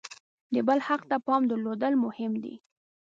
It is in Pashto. د بل حق ته پام درلودل مهم دي.